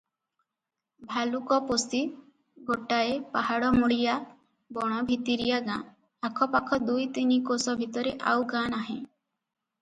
ଭାଲୁକପୋଷି ଗୋଟାଏ ପାହାଡ଼ମୂଳିଆ ବଣଭିତିରିଆ ଗାଁ, ଆଖପାଖ ଦୁଇ ତିନି କୋଶ ଭିତରେ ଆଉ ଗାଁ ନାହିଁ ।